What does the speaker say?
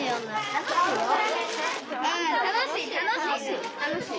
楽しい楽しい。